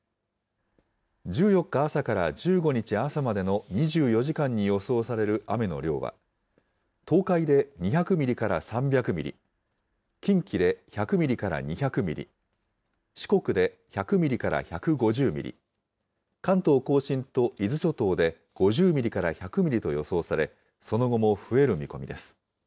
１４日朝から１５日朝までの２４時間に予想される雨の量は、東海で２００ミリから３００ミリ、近畿で１００ミリから２００ミリ、四国で１００ミリから１５０ミリ、関東甲信と伊豆諸島で５０ミリから１００ミリと予想され、その後も増える見込みです。